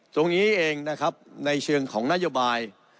ตรงนี้เองนะครับในเชิงของนโยบาย